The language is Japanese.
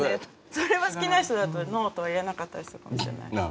それは好きな人だとノーとは言えなかったりするかもしれないですね。